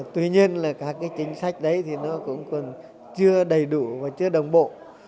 tuy nhiên là các cái chính sách đấy thì nó cũng còn chưa đầy đủ và chưa đồng bộ